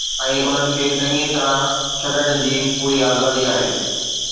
۽ انھن کي چڱيءَ طرح ڇڏڻ جي پوري آزادي آھي